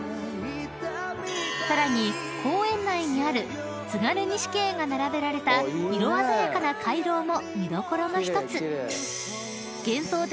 ［さらに公園内にある津軽錦絵が並べられた色鮮やかな回廊も見どころの一つ］